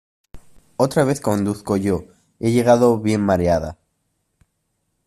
Otra vez conduzco yo; he llegado bien mareada.